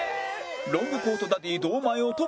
ロングコートダディ堂前をトップに